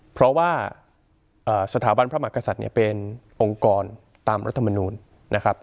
เพราะว่าสถาบันพระมหากษัตริย์เนี่ยเป็นองค์กรตามรัฐมนูลนะครับ